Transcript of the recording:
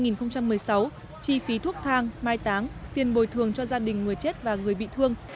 năm hai nghìn một mươi sáu chi phí thuốc thang mai táng tiền bồi thường cho gia đình người chết và người bị thương